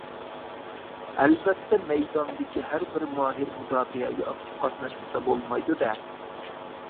ئەلۋەتتە مەيداندىكى ھەر بىر ماھىر مۇداپىئەگە ئاكتىپ قاتناشمىسا بولمايدۇ-دە.